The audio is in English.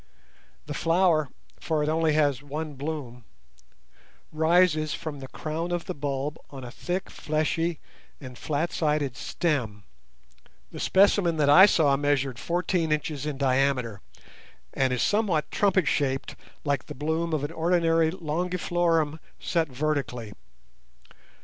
The flower—for it has only one bloom—rises from the crown of the bulb on a thick fleshy and flat sided stem, the specimen that I saw measured fourteen inches in diameter, and is somewhat trumpet shaped like the bloom of an ordinary "longiflorum" set vertically.